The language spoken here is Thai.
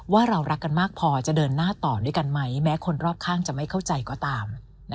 ว่าเรารักกันมากพอจะเดินหน้าต่อด้วยกันไหมแม้คนรอบข้างจะไม่เข้าใจก็ตาม